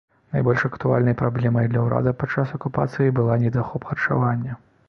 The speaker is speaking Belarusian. Найбольш актуальнай праблемай для ўрада падчас акупацыі была недахоп харчавання.